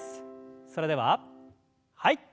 それでははい。